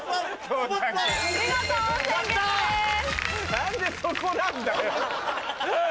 何でそこなんだよ。